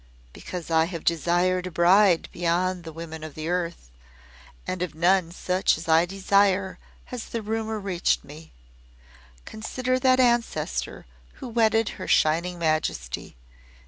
Because I have desired a bride beyond the women of earth, and of none such as I desire has the rumor reached me. Consider that Ancestor who wedded Her Shining Majesty!